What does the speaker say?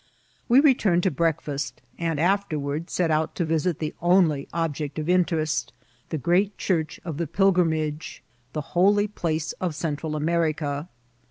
We returned to breakfast, and afterward set out to visit the only object of interest, the great church of the pilgrimage, the. Holy Place of Central Amefica.